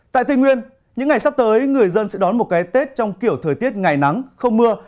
tại tây nguyên những ngày sắp tới người dân sẽ đón một cái tết trong kiểu thời tiết ngày nắng không mưa